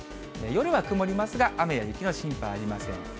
夜は曇りますが雨や雪の心配はありません。